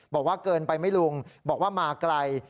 บอกว่าเกินไปไหมลุงบอกว่ามาไกล